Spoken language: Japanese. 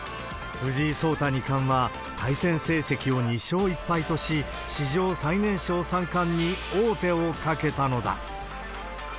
藤井颯太二冠は対戦成績を２勝１敗とし、史上最年少三冠に王手をかけたのだ。